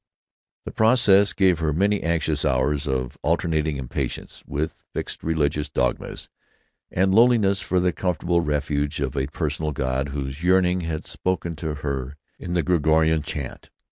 The process gave her many anxious hours of alternating impatience with fixed religious dogmas, and loneliness for the comfortable refuge of a personal God, whose yearning had spoken to her in the Gregorian chant.